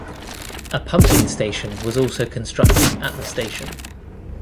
A pumping station was also constructed at the station.